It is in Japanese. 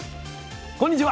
こんにちは。